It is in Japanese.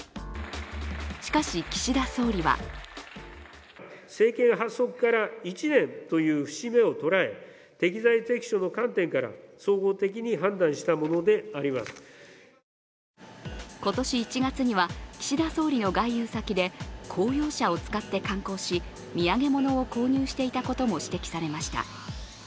しかし、岸田総理は今年１月には岸田総理の外遊先で公用車を使って観光し、土産物を購入していたことも指摘されました。